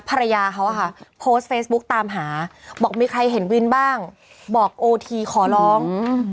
ภรรยาเขาอะค่ะโพสต์เฟซบุ๊กตามหาบอกมีใครเห็นวินบ้างบอกโอทีขอร้อง